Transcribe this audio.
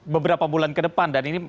beberapa bulan ke depan dan ini